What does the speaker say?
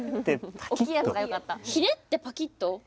ひねってパキッと？